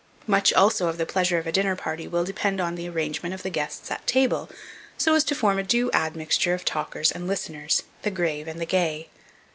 Much also of the pleasure of a dinner party will depend on the arrangement of the guests at table, so as to form a due admixture of talkers and listeners, the grave and the gay.